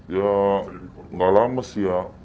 ya nggak lama sih ya